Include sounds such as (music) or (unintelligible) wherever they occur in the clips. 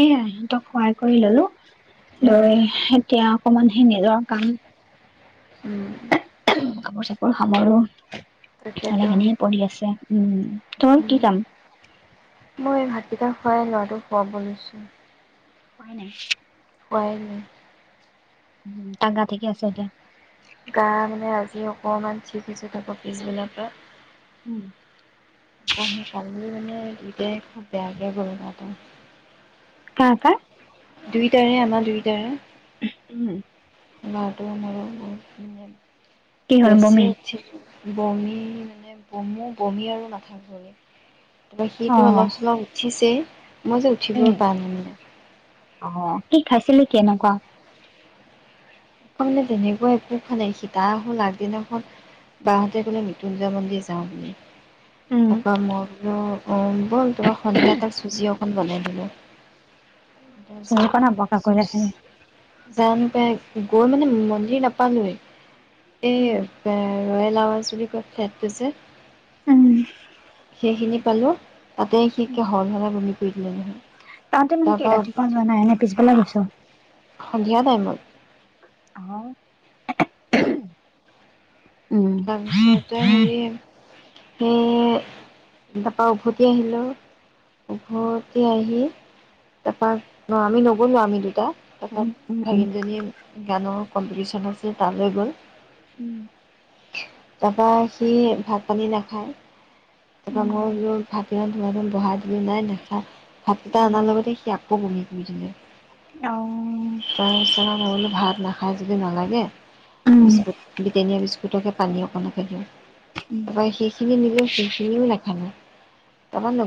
এয়াই ইহঁতক শুৱাই কৰি ল'লো। উম, লৈ এতিয়া অকমান সনে যৰ কাম উম কাপোৰ চাপোৰ সামৰো মে (unintelligible) তাকেতো লাখিনিহে পৰি আছে উম তোৰ কি কাম এিতাৰ খোৱাই ল'ৰাটো খুৱাব লৈছোঁ হ (unintelligible) কাই ন উম গা ঠিকি আছে দেয়া (unintelligible) আ অকণমান চিচো (unintelligible) থাকো পিছবিলাক পৰা উম তি কাল মানেতাই তিয়াকে ঘম (unintelligible) ক ক ক দুইটাৰে আমাৰ দুইটাৰে উম লাটো মহত কি (unintelligible) হ'ল গছ বমি অ বমি মানে বমো বমি আৰু নাথাক ভমি তাৰ অ সিটো অলপ চলপ উঠিছেই মই যে উঠিব উম প নাই মানে ফেছিলিটি এনেকুৱা মানে তেনেকুৱা একো খ নাই সীতা হল আগদিনাখন বহঁতে গলে মৃত্যুঞ্জয় মন্দিৰ যাওঁ বুলিমি উম তাক মৰল অঁ ব'ল তোমাৰ সন্ধিয়া তাত চুজি অকণ বনাই দিলোঁ চঙ তাৰপিছত ক ন বকা কৰিলা চি (unintelligible) জান পেক গৈ মানে মন্দিৰ নাপালোৱে এই উম এপাৰ ৰয়েললাৱাজ বুলি ক'ো (unintelligible) ৱা ফ্লেটটোছে উম সেইখিনি পালো উ নহয় তাতে মানে কি তাৰপৰা ৰাতিপুৱা যোৱা নাই এনে পিছবেলা গৈছ সন্ধিয়া নাই মই আহ তাৰপিছতে হেৰি সেই তাপা উভতি আহিলোঁ উম উভৰতে আহি তাৰপা আমি নগলো আমি উম (unintelligible) উম ভাগিনজনীয়ে গানৰ কম্পিটিশ্যন আছে তালৈ গ'ল উম- তাৰপৰা সি ভাত পানী নাখায়। উম মই (unintelligible) ভাত (unintelligible) বহা (unintelligible) নাই নেখায়। ভাতকিটা উম অনাৰ লগতে সি আকৌ বমি (unintelligible) অ (unintelligible) খাই যদি নালাগে। উম বিস্কুট ব্ৰিটেনিয়া বিস্ক তকে পানী অকণকে দিওঁ। উম অ', সেইখিনি নিলে ও নেখালে।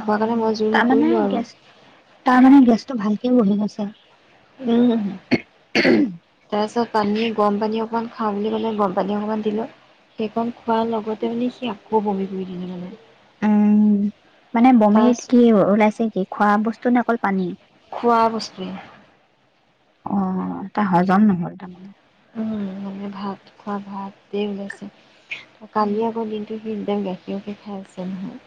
অ', তাৰমানে গেছ তাৰমানে গেছটো ভালকে বহি গৈছে। উম। তাৰপিছত পানী গৰম পানী অক অকমান খাওঁ বুলি ক'লে গৰমপানী অকণমান দিলোঁ সেইকণ খোৱাৰ লগতে মানে সি আকৌ বমি কৰি দিলে মানে। উম মানে তাৰ বমিত কি ওলাইছে কি? খোৱা বস্ টো নে অকল পানী খোৱা বস্তু অ তাৰ হজম নহ'ল তাৰমানে মানে ভাত খোৱা ভাতেই ওলাইছে কালি আকৌ দিনটো সি (unintelligible) (unintelligible) খায় আছে নহয়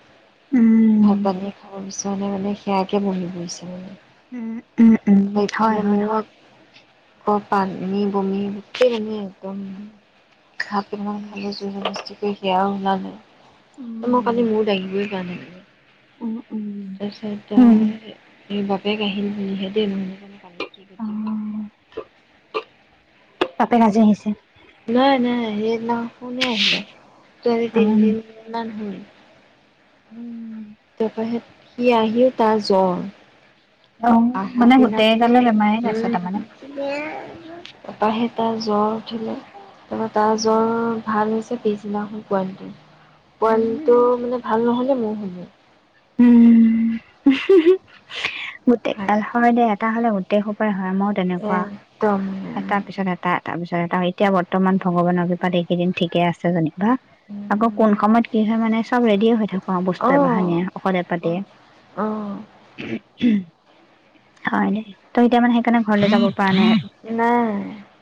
উম ভাত উম পানী খাব (unintelligible) (unintelligible) মানে সেয়াকে বমি কৰিছে মানে উম উম উম হয় হয় ক পানী বমি গোটেই মানে একদম (unintelligible) পিমান উম খালে (unintelligible) সেয়া আৰু (unintelligible) মই কালি উম মোৰ দাঙিবই পৰা নাই উম তাৰ পিছত আঁ উম এই বাপে কাহিনীুহেতে দিয়ে মানে কি অ ক (unintelligible) বাপেক আজি আহিছে নাই নাই স ন কোনে আহিলে ত আজি উম তিনদিন হল উম তাৰপাছত সি আহিও তাৰ জ্বৰ অ অহা মানে দিনা গোটেই গালে মানে বেমাৰে উ গাইছে তাৰমানে এপাহেটা জ্বৰ উঠিলেঁ তা তাৰ উম জৰ ভাল হৈছে পিছদিনাখন পোৱালিটোৰ পোৱালিটোৰ মানে ভাল নহয় মোৰ উম গোটেই হয় দে এটা হ'লেো গোটেই সকলৰ মই তেনেকুৱা একদম উম এটা পিছত এটা এ পিছত ত এতিয়া বৰ্তমান ভগৱানৰ কৃপাত এইকেইদিন ঠিকে আছে জানী বা উম আকৌ উম, কোন সময়ত কি হয় মানে চব ৰেডি হৈ থাকো আৰু বস্তু অ এবাহানিয় পাতে অ অ উম উম হয় দে এতিয়া মানে সেইকাৰণে ঘৰলে যাব পৰা নাই নাই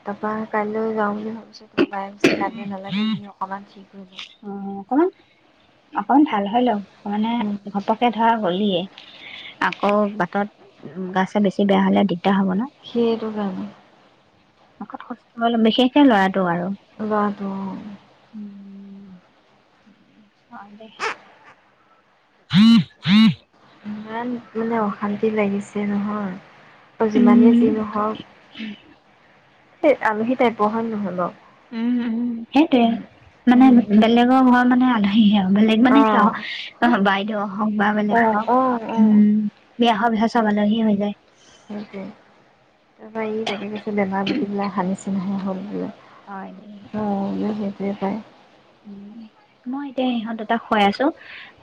তাৰাপৰা কাইলৈ যাওঁ বুলি ভাবিছো পাই পিছে কাটে নালাগে এনে অকণমান কব অকণমান ভাল হয় লোৱা মানে ঘপকে ধৰা হলাই আকৌ বাটত গা চা বেছি বেয়া হলে দিকদাৰ সেই তো কাৰণে অত কষ্টলম বিশেষকে ল'ৰা (unintelligible) অ দে ইমান মানে কৰি অশান্তি আছে লাগিছে নহয় অ যিমানেই উম যি নহওক এই আলহী টাইপ্ হয় নহয় বাৰু উম সেইটোৱে মানে উম বেলেগৰ হয় মানে আলহী হেইয়া বেলেগ অ মানে কিয় অ ব কিয় হওক বা অ বেলেগ অ হওক অ উম বিয়া হৈ চব আলহি হৈ যায় সেইটোৱে (unintelligible) (unintelligible) অ হয় উ (unintelligible) উ মই এতিয়া ইহঁত দুটাক শুৱাই আছো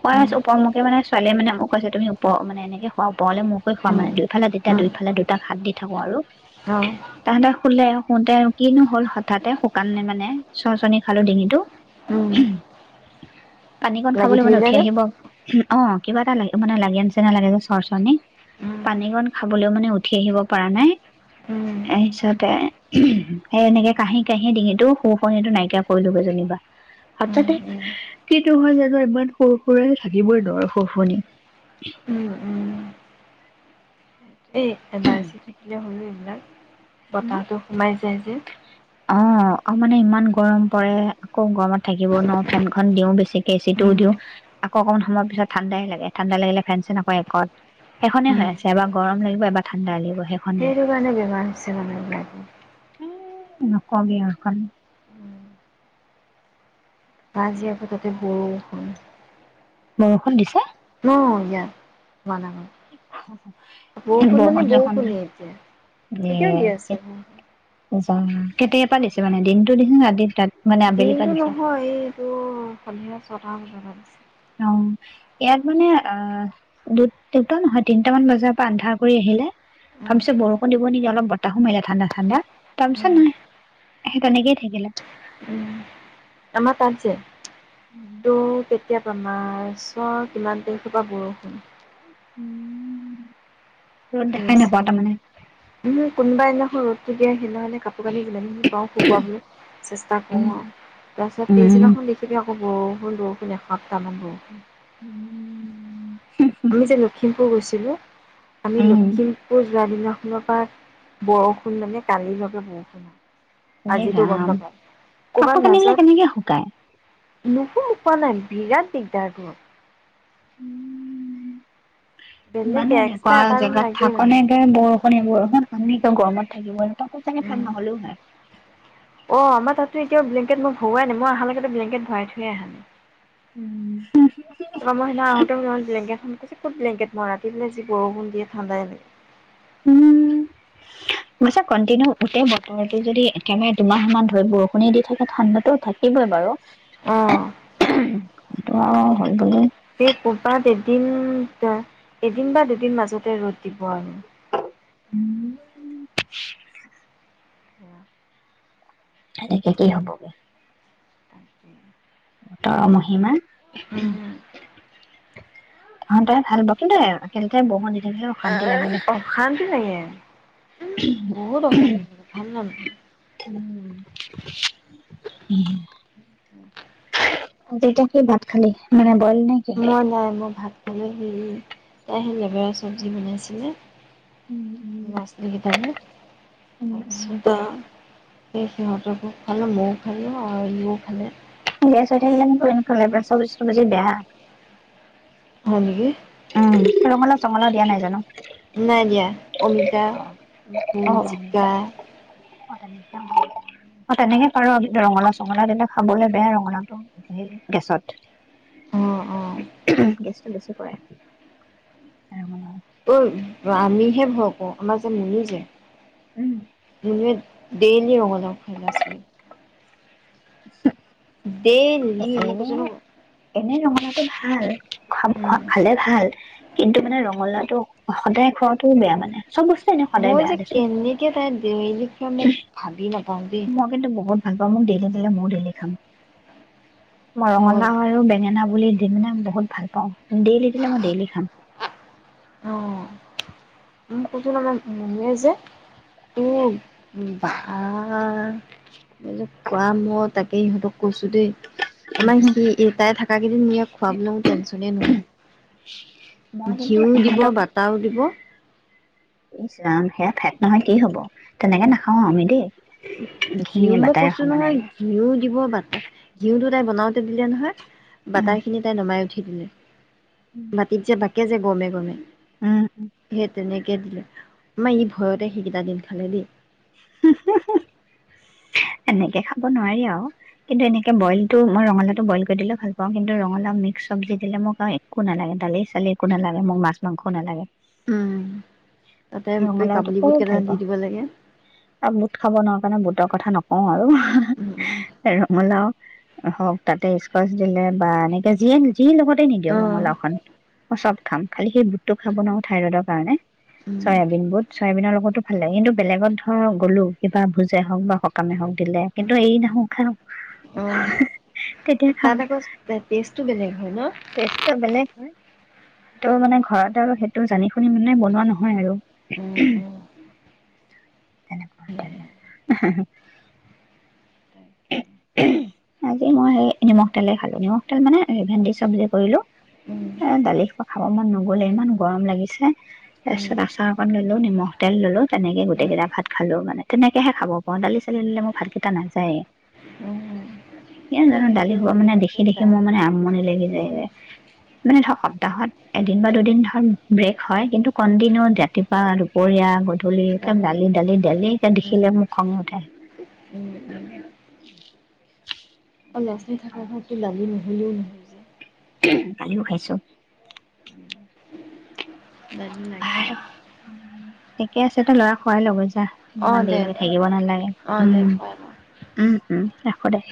কাই উম আছো উপপমখে বনাইছো (unintelligible) ছোৱাল মান ম কৈছেুমি উপ মান এেকে খোৱা (unintelligible) পলে মোৰকৈ খোৱা উম মানে দুইফালে তেতিয়া উম দুইফালে দুটাক হাত দি থাকো আৰু অ তাহাঁতে খুলে কতে আৰু কিনো হল হঠাতে শুকানে মানে চচনি খালো ডিঙিতটো উম (unintelligible) পানীকণ লাগি খাবলৈ মানে ধৰিলে উঠি যে আহিব অ কিবা এটা লাগ মানে লাগে নিচিনা লাগে যে চৰ্চৰণি, উম পানীকণ খাবলৈও মানে উঠি আহিব পৰা নাই উম তাৰপিছতে সি এনেকে কাঁহি কাঁহি ডিঙিটো শু শুৱণি টু নাইকিয়া কৰিলোগৈ যেনিবা উম হঠাতে উম কিটো হয় জানো ইমান সৰু সুৰা থাকিবই নোৱাৰোঁ সু শুৱনী উম এ এবাৰ চি থাকিলে হ'ল (unintelligible) নাই (unintelligible) বতাহটো সোমাই যায় যে অ অ মানে ইমান গৰম পৰে আকৌ গৰমত থাকিবও নোৱাৰো ফেনখন দিও, বেছিকে এচি উম টোও দিও, আকৌ অকমান সময়ৰ পিছত ঠাণ্ডাই লাগে ঠাণ্ডা লাগিলে ফেন চেন আকৌ একত সেইখনে হৈ উম আছে এবাৰ গৰম লাগিব এবাৰ ঠাণ্ডা লাগিব সেইখনেই সেইটো কাৰণে বেমাৰ হৈছে মানুহ বিলাক নকবি আউ এইখন মাজিাব তাতে বৰষুণ (unintelligible) বৰষুণ দিছে অ ইয়াৰ বৰষুণ বৰষুণ চৰষুণ বৰষুণে মানে এতিয়া দি এ এতিয়াও আছে বৰষুণ আছে কেতিয়াবা দিছে মানে দিনটোত দিছে নে ৰাতিটে তাতঁ দিনটো নহয় এইটো পনীয়া চৰাম ব আছে অ (unintelligible) ইয়াত মানে আহ দু দুটা নহয় তিনটা মান বজাৰ পৰা আন্ধাৰ কৰি আহিলে তাৰ উম পিছত বৰষুণ দিব নেকি অলপ বতাহো মাৰিলে ঠাণ্ডা ঠাণ্ডা তাৰ পিছত উম নহয় সেই তেনেকেই থাকিলে উম আমাৰ তাতঁ যে অ তাতঁ কেতিয়াবা মাছৰ কিমান তাৰিখৰ পৰা বৰষুণ উম আছে উম কোনোবাই সেদিনাখন ৰদটোতে সেইদিনাখনি কাপোৰ কানি যিমানখিনি পাওঁ শুকাবলৈ চেষ্টা কৰোঁ আৰু তাৰপিছত উম পিছদিনাখন দেখিবি আকৌ'বৰষুণ বৰষুণ এসপ্তামান বৰষুণ উম আমি যে লখিমপুৰ গৈছিলোঁ আমি উম লখিমপুৰ যোৱা দিনাখন এনেকুৱা বৰষুণ মানে কালিৰ বাবে বৰষুণ হয় এ ৰাম ক'ৰবাত কাপোৰ কানি বিলাক কেনেকে শুকাই উম মোক কোৱা নাই বিৰাট দিগদাৰ দেই উম বেলেগ ইমানো এনেকুৱা এক্সট্ৰা এটা ৰুম জেগাত লাগেই থাক মানে। নেকে বৰষুণ এনেকে আমি এতিয়া গৰমত থাকিব নোৱাৰো কাপোৰ থাকিলে ফেন উম, নহলেও হয় তহতি এতিয়া ব্লেংকেট নো ভৰোৱাই নাই মই অহালৈকে নো ব্লেংকেট ভৰাই থৈ আহো তাৰ উম। পৰা মই সেইদিনা আহোতে বুলো ব্লেংকেট খনবোলো কত ব্লেংকেট মৰা ৰাতি বোলে যি বৰষুণ দিয়ে ঠাণ্ডাই লাগে উম গছে কণ্টিনিউ উটে বতৰটো যদি একেবাৰে দুমাহমান ধৰি বৰষুণে দি থাকে ঠাণ্ডাতো থাকিবই বাৰু অহ অ হৈ গলে সেই কৰবাত এদিন এদিন বা দুদিন মাজতে ৰ'দ দিব আৰু মানে উম (unintelligible) বা এনেকে কি হ'বগে তাকে তাৰ মাহিমা উম। তহঁতে ভাল (unintelligible) লাগে দে। অশান্তি লাগে। বহুত অশান্তি লাগে, ভাল নালাগে। উম। (unintelligible) ভাত খালি মানে বইল নে কি? মই নাই, মই ভাত খালো, হেৰি তাই হেই লেবেৰা চব্জি বনাইছিলে উম, উম। (unintelligible) তাৰপিছত উম, আও সেই সিহঁতকো‌ খুৱালো, মই ও খালো আৰু ইও খালে। গেছ হৈ থাকিলে মোৰ পেইন কৰে, (unintelligible) বেয়া। হয় নেকি? উম, ৰঙালাও চঙালাও দিয়া নাই জানো? নাই দিয়া, অমিতা, অ', ভোল‌, অ', জিকা অ, তেনেকে পাৰ, ৰঙালাও চঙলাও‌ দিলে খাবলৈ বেয়া ৰঙালাওটো, হেৰি গেছত। অ', অ', (inaudible) বেছি কৰে। ৰঙালাওৰ এই, আমিহে ভয় কৰোঁ, আমাৰ যে মনি যে (inaudible) দেইলি ৰঙালাউ খুৱাই ল'ৰা ছোৱালীক। (inaudible) (unintelligible) ডেইলি মই কৈছো ন হয় খ-খোৱা উম খালে ভাল। কিন্তু মানে ৰঙালাওটো সদায় খোৱাটোও বেয়া মানে। চব বস্তু এনে সদায় মই বেয়া যে, দেচোন কেনেকে তাই ডেইলি ম ভাবি নাপাওঁ দেই মই কিন্তু বহুত ভাল পাওঁ মোক ডেইলি দিলে ময়ো ডেইলি খাম। মই ৰঙালাউ ৰঙালাও আৰু বেঙেনা বুলি (unintelligible) মানে বহুত ভাল পাওঁ। ডেইলি দিলে মই ডেইলি খাম। অ', মই কৈছো ন মমে যে, তোৰ ভা যে, খোৱা মই তাকে ইহঁতক কৈছো দেই আমাৰ সি এই তাই থাকা কিদিন মোৰ ইয়াক খুৱাবলৈ মোৰ টেনচনে নহ'ল মই কিন্তু দিব, বাটাও দিব (unintelligible) এই চাম সেয়া ফেট নহয় কি হব তেনেকে নাখাও আমি দেই ঘি ঘিউ মই বাটাৰে কৈছো সমানে নহয় ঘিউ দিব বাটটা ঘিউটো তে বনাওঁতে দিলে নহয় বাটাৰ খিনি তাই নমাই উঠি খি দিলে উম ভতিজে ব (inaudible) কে যে গমে গমে উম সেই তে নে দিলে মাৰ ই ভয়তে সেইকেইটা দিন খালে দেই এনেকে খাব নোৱাৰি আৰু কিন্তু এনেকে বইলটো মই ৰঙালাওটো বইল কৰি দিলেও ভাল পাওঁ কিন্তু ৰঙালাও মিক্স চবজি দিলে মোক আৰু একো নালাগে দালি চালি একো নালাগে মোক মাছ মাংসও নালাগে উম তাতে ৰঙালাওটো কাবুলী খুব বুট ভাল কেইটামান দি পাওঁ দিব লাগে আৰু বুট খাব নোৱাৰ কাৰণে বুট কথা নকওঁ আৰু ৰঙালাও হওক তাতে স্কচ দিলে বা এনেকে যিয়ে নিল যি লগতে নিদিয়ক অঁ ৰঙলাও খন চব খাম খালি সেই বুটটো খাব নোৱাৰো থাইৰইডৰ কাৰণে চয়াবিন বুট চইবিনৰ লগতো ভালে কিন্তু বেলেগত ধৰা গ'লো কিবা ভোজে হওক বা সকামে হওক দিলে কিন্তু এৰি নহো খাওঁ অঁ তেতিয়া খাওঁ তাত আকৌ টেষ্টটো বেলেগ হয় ন টেষ্টটো বেলেগ হয় ত মানে ঘৰত আৰু সেইটো জানি শুনি মানে বনোৱা নহয় আৰু উম, উম, তেনেকুৱাক তাকে আজি মই স নিমখ তেলে খালো নিমখ তেল মানে ভেন্দি চবজি কৰিলো উম, এ দালি খাব মন নগলে ইমান গৰম লাগিছে তাৰ উম, পিছত আচাৰ অকণ ললো নিমখ তেল ললো তেনেকে গোটেই কেইটা ভাত খালো মানে তেনেকেহে খাব পাৰো দালি চালি ললে মোৰ ভাতকেইটা নাযায়ে উম, স মই জানো সেইটো দালি হয় খোবা মানে কেতিয়াবা দেখি কেতিয়াবা দেখি মোৰ দালি মানে আমণি লাগি যায় যে মানে ধৰ সপ্তাহত এদিন বা দুদিন ধৰ ব্ৰেক হয় কিন্তু কণ্টিনিউ ৰাতিপোৱা দুপৰীয়া গধূলি এক দালি দালি দালি এতিয়া দেখিলে উম। মোক খঙ উঠে উম অ ল'ৰা ছোৱালী থকা ঘৰটো দালি নহলিও নহয় যে। দালিও খাইছো দালি বাৰ লাগেই। একে আছে তই ল'ৰা খোৱাই লৈ যে অ ইমান দে দেৰিলৈকে দে থাকিব দে নালাগে অ দে হয়। উম উম উম ৰাখো দে (inaudible)